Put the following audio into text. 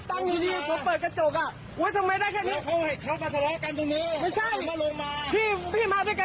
ให้ดูจุดดูกให้ดูดูดู